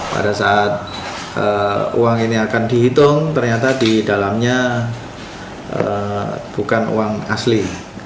pada saat uang ini akan dihitung ternyata di dalamnya bukan uang asli